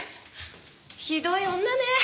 ひどい女ね。